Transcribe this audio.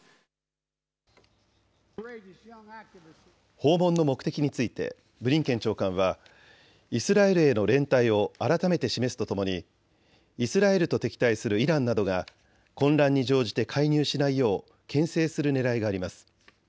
訪問の目的についてブリンケン長官はイスラエルへの連帯を改めて示すとともにイスラエルと敵対するイランなどが混乱に乗じて介入しないようけん制するねらいがあります。